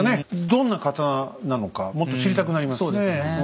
どんな刀なのかもっと知りたくなりますね。